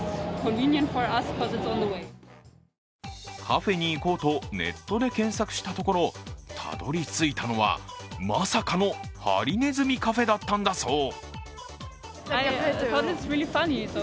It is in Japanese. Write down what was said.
カフェに行こうとネットで検索したところ、たどりついたのは、まさかのハリネズミカフェだったんだそう。